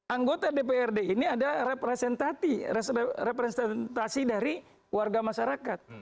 anggota dprd ini ada representasi dari warga masyarakat